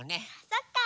そっか。